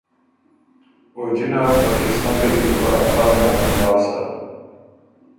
او جِنه بدقمستئ کی يې بو خه افا ګه نک مېلاؤ سَۀ